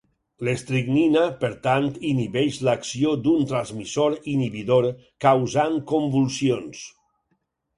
L'estricnina, per tant inhibeix l'acció d'un transmissor inhibidor, causant convulsions.